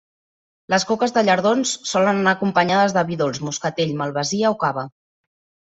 Les coques de llardons solen anar acompanyades de vi dolç, moscatell, malvasia o cava.